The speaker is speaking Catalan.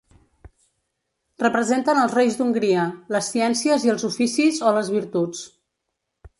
Representen els Reis d'Hongria, les ciències i els oficis o les virtuts.